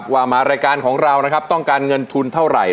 มารายการของเรานะครับต้องการเงินทุนเท่าไหร่